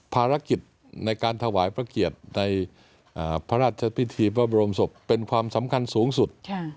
ภารกิจในการถวายพระเกียรติในพระราชพิธีพระบรมศพเป็นความสำคัญสูงสุด